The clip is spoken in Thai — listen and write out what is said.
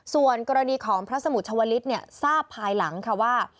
ส่วนกรณีของพระสมุทรชวลิศทราบภายหลังค่ะว่า